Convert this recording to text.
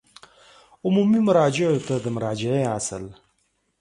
عمومي مراجعو ته د مراجعې اصل